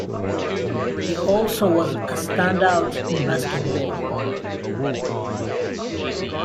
He also was a standout in basketball.